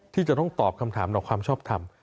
ที่จะต้องตอบคำถามต่อความชอบทำ